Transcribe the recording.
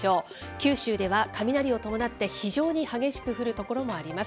九州では雷を伴って非常に激しく降る所もあります。